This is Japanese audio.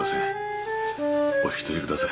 お引き取りください。